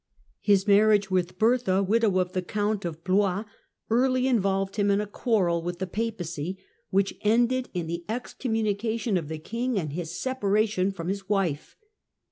His marriage with Bertha, widow of the Count of Blois, early involved him in a quarrel with the Papacy, which ended in the excom munication of the King and his separation from his wife.